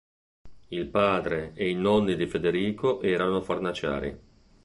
Il padre e i nonni di Federico erano “fornaciari”.